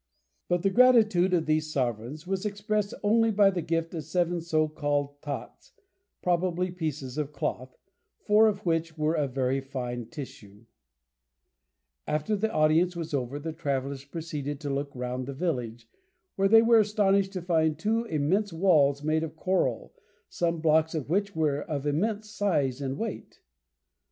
But the gratitude of these sovereigns was expressed only by the gift of seven so called "tots" probably pieces of cloth four of which were of very fine tissue. [Illustration: Meeting with the Chief of Ualan.] After the audience was over the travellers proceeded to look round the village, where they were astonished to find two immense walls made of coral, some blocks of which were of immense size and weight.